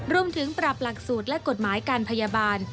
ปรับหลักสูตรและกฎหมายการพยาบาล